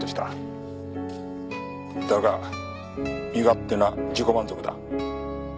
だが身勝手な自己満足だ。